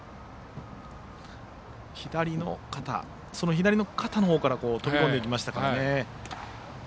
左の肩のほうから飛び込んでいきましたからね。